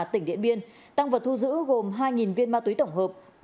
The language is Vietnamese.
tỉnh điện biên tăng vật thu giữ gồm hai viên ma túy tổng hợp